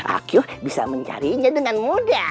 akyu bisa mencarinya dengan mudah